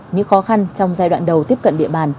những khó khăn trong giai đoạn đầu tiếp cận địa bàn